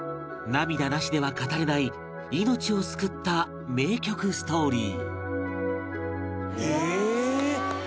涙なしでは語れない命を救った名曲ストーリーええー！